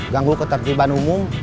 ganggu ketertiban umum